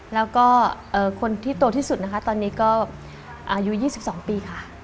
แล้วก็คนที่โตที่สุดนะคะตอนนี้ก็อายุ๒๒ปีค่ะ